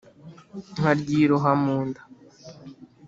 Nkalyiroha mu nda